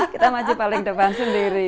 kita maju paling depan sendiri